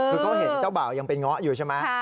คือก็เห็นเจ้าบ่าวยังเป็นง้ออยู่ใช่ไหม